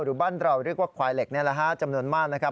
บ้านเราเรียกว่าควายเหล็กนี่แหละฮะจำนวนมากนะครับ